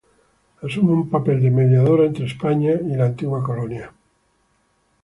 Asume un papel de mediadora entre España y la colonia.